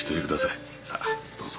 さあどうぞ。